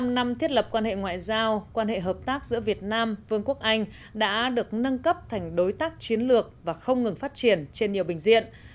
bảy mươi năm năm thiết lập quan hệ ngoại giao quan hệ hợp tác giữa việt nam vương quốc anh đã được nâng cấp thành đối tác chiến lược và không ngừng phát triển trên nhiều bình diện